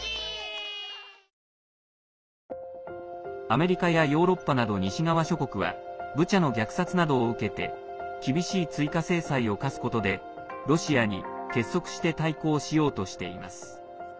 アメリカやヨーロッパなど西側諸国はブチャの虐殺などを受けて厳しい追加制裁を科すことでロシアに結束して対抗しようとしています。